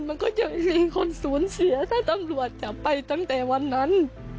มันก็จะไม่มีคนสูญเสียถ้าตำรวจจะไปตั้งแต่วันนั้น